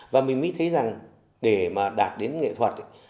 và mình mới thấy rằng để mà đạt đến nghệ thuật